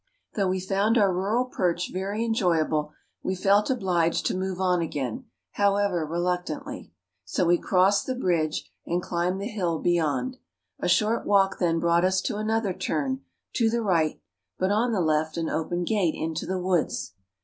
Though we found our rural perch very enjoyable, we felt obliged to move on again, however reluctantly. So we crossed the bridge and climbed the hill beyond. A short walk then brought us to another turn, to the right, but on the left an open gate into the woods.